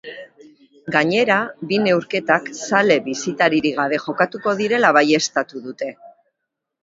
Gainera, bi neurketak zale bisitaririk gabe jokatuko direla baieztatu dute.